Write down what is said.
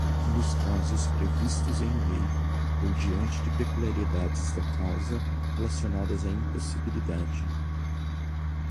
Nos casos previstos em lei ou diante de peculiaridades da causa relacionadas à impossibilidade